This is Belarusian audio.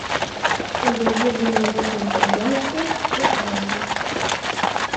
У яе былі розныя знаёмствы, сустрэчы.